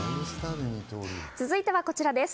続いてはこちらです。